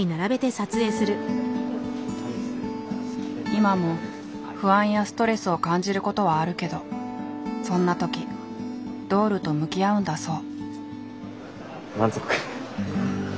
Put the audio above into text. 今も不安やストレスを感じることはあるけどそんなときドールと向き合うんだそう。